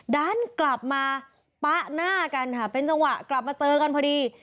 ดันกลับมาปะหน้ากันค่ะเป็นจังหวะกลับมาเจอกันพอดี